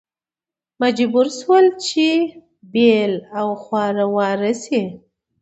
مجبور شول چې سره بېل او خواره واره شي.